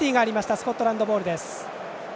スコットランドボールです。